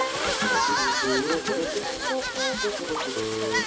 ああ！